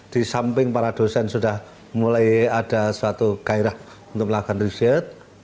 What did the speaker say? di samping para dosen sudah mulai ada suatu gairah untuk melakukan riset